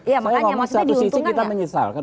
saya ngomong satu sisi kita menyesalkan